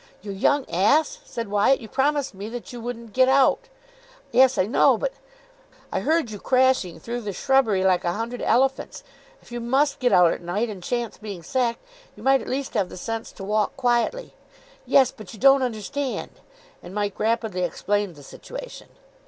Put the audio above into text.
"You young ass," said Wyatt. "You promised me that you wouldn't get out." "Yes, I know, but " "I heard you crashing through the shrubbery like a hundred elephants. If you must get out at night and chance being sacked, you might at least have the sense to walk quietly." "Yes, but you don't understand." And Mike rapidly explained the situation.